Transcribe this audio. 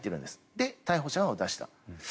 で、逮捕者を出した。